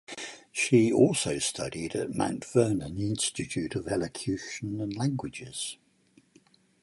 She also studied at Mount Vernon Institute of Elocution and Languages.